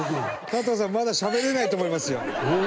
加藤さんまだしゃべれないと思いますよ。